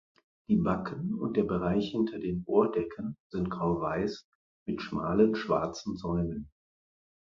Die Backen und der Bereich hinter den Ohrdecken sind grauweiß mit schmalen schwarzen Säumen.